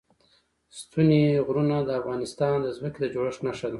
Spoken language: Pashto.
ستوني غرونه د افغانستان د ځمکې د جوړښت نښه ده.